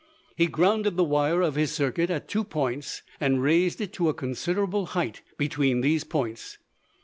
He grounded the wire of his circuit at two points and raised it to a considerable height between these points.